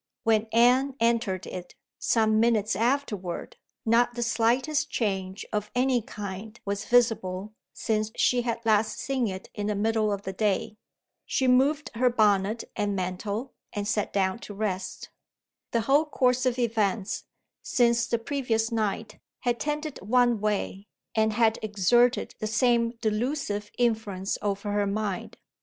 When Anne entered it, some minutes afterward, not the slightest change of any kind was visible since she had last seen it in the middle of the day. She removed her bonnet and mantle, and sat down to rest. The whole course of events, since the previous night, had tended one way, and had exerted the same delusive influence over her mind.